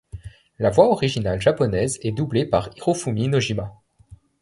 La voix originale japonaise est doublée par Hirofumi Nojima.